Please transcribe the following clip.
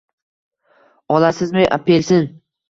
Olasizmi apelsin